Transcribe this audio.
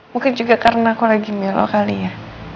mungkin juga karena aku lagi melo kali ya